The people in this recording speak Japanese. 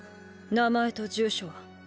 名前と住所は？